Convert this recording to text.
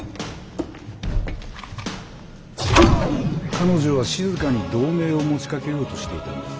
彼女はしずかに同盟を持ちかけようとしていたんです。